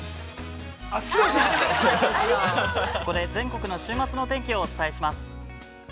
◆これで全国の週末のお天気をお伝えします。